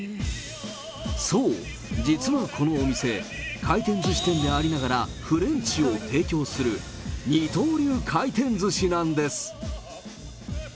そう、実はこのお店、回転ずし店でありながら、フレンチを提供する、二刀流回転ずしなんです。